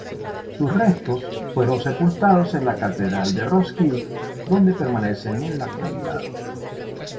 Sus restos fueron sepultados en la Catedral de Roskilde, donde permanecen en la actualidad.